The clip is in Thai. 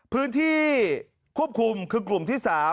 พื้นที่ควบคุมคือกลุ่มที่๓